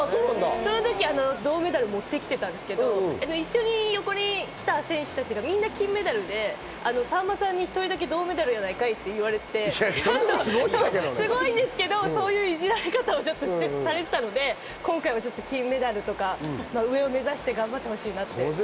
その時、銅メダルを持ってきてたんですけど、一緒に横にいた選手たちがみんな金メダルで、さんまさんに１人だけ銅メダルやないかい！って言われていて、すごいんですけど、そういういじられ方をされていたので、今回はちょっと金メダルとか上を目指して頑張ってほしいなと思います。